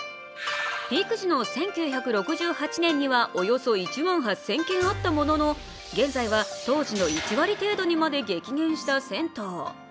ピーク時の１９６８年には、およそ１万８０００軒あったものの現在は、当時の１割程度にまで激減した銭湯。